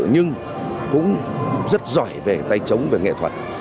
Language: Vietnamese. nhưng cũng rất giỏi về tay chống về nghệ thuật